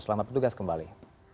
selamat bertugas kembali